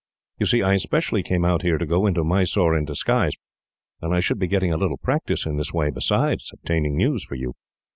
You see, I specially came out here to go into Mysore in disguise, and I should be getting a little practice in this way, besides obtaining news for you."